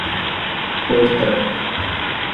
Portel